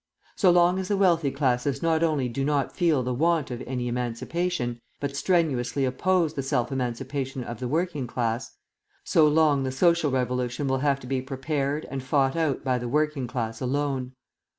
So long as the wealthy classes not only do not feel the want of any emancipation, but strenuously oppose the self emancipation of the working class, so long the social revolution will have to be prepared and fought out by the working class alone.